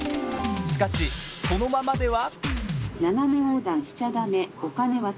しかし、そのままでは。